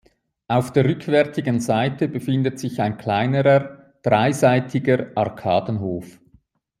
Auf der rückwärtigen Seite befindet sich ein kleinerer, dreiseitiger Arkadenhof.